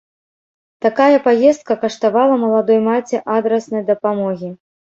Такая паездка каштавала маладой маці адраснай дапамогі.